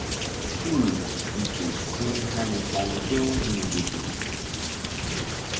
Hul gi ke fu̧y hani ɓa ŋgi̧-u hi̧ nzukri.